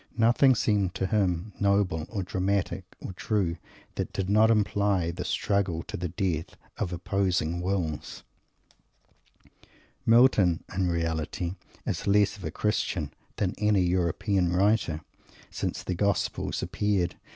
Nothing seemed to him noble, or dramatic, or "true," that did not imply the struggle to the death of opposing wills. Milton, in reality, is less of a Christian than any European writer, since the Gospel appeared.